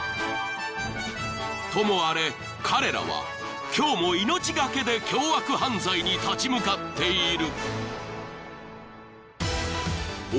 ［ともあれ彼らは今日も命懸けで凶悪犯罪に立ち向かっている］